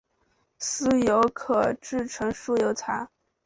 酥油可制成酥油茶。